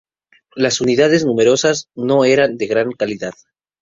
Las unidades, numerosas, no eran de gran calidad.